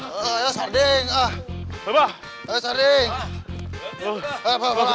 kok reva malas malasan gitu sih